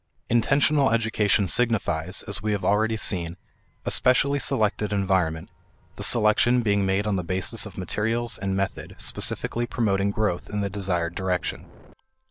Intentional education signifies, as we have already seen, a specially selected environment, the selection being made on the basis of materials and method specifically promoting growth in the desired direction.